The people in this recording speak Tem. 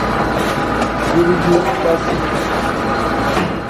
Zirigi kpasi.